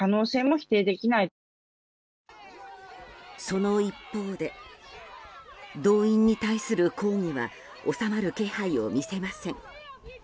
その一方で動員に対する抗議は収まる気配を見せません。